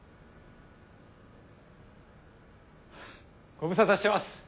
ご無沙汰してます！